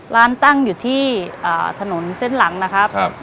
ร้านตั้งอยู่ที่ถนนเส้นหลังนะครับ